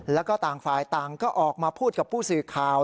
แล้วก็ต่างฝ่ายต่างก็ออกมาพูดกับผู้สื่อข่าว